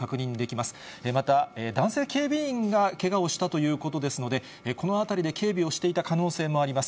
また、男性警備員がけがをしたということですので、この辺りで警備をしていた可能性もあります。